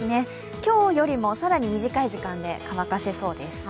今日よりも更に短い時間で乾かせそうです。